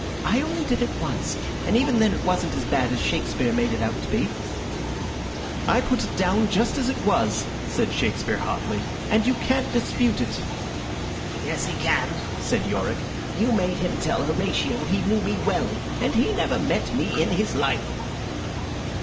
"I only did it once, and even then it wasn't as bad as Shakespeare made it out to be." "I put it down just as it was," said Shakespeare, hotly, "and you can't dispute it." "Yes, he can," said Yorick. "You made him tell Horatio he knew me well, and he never met me in his life."